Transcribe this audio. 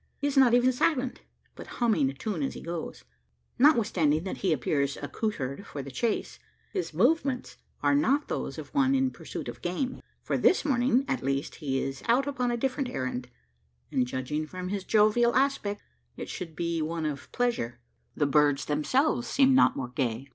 He is not even silent; but humming a tune as he goes. Notwithstanding that he appears accoutred for the chase, his movements are not those of one in pursuit of game. For this morning, at least, he is out upon a different errand; and, judging from his jovial aspect, it should be one of pleasure. The birds themselves seem not more gay.